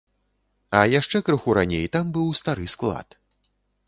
А яшчэ крыху раней там быў стары склад.